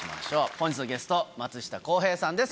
本日のゲスト松下洸平さんです